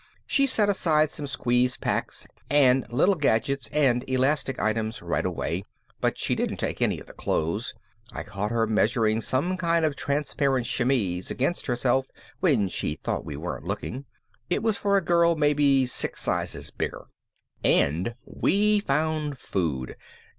She set aside some squeeze packs and little gadgets and elastic items right away, but she didn't take any of the clothes. I caught her measuring some kind of transparent chemise against herself when she thought we weren't looking; it was for a girl maybe six sizes bigger. And we found food.